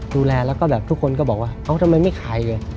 ดูแลแล้วก็แบบทุกคนก็บอกว่าเอ้าทำไมไม่ขาย